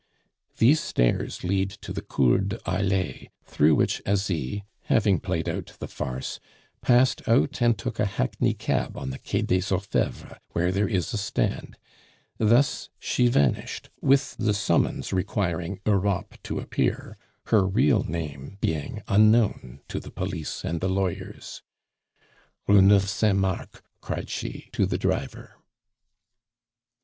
These stairs lead to the Cour de Harlay, through which Asie, having played out the farce, passed out and took a hackney cab on the Quai des Orfevres, where there is a stand; thus she vanished with the summons requiring "Europe" to appear, her real name being unknown to the police and the lawyers. "Rue Neuve Saint Marc," cried she to the driver.